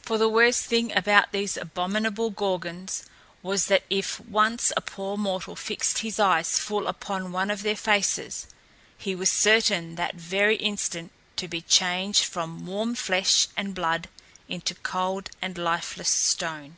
For the worst thing about these abominable Gorgons was that if once a poor mortal fixed his eyes full upon one of their faces, he was certain that very instant to be changed from warm flesh and blood into cold and lifeless stone!